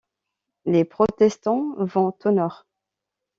Les protestants vont au Nord.